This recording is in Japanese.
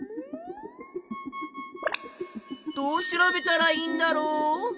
どう調べたらいいんだろう？